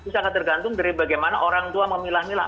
sangat tergantung dari bagaimana orang tua memilah milah